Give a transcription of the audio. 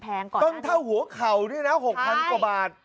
ต้นทางหัวเข่านี่นะ๖๐๐๐โบบาท